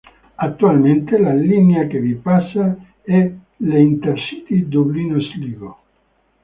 Attualmente la linea che vi passa è l'Intercity Dublino–Sligo.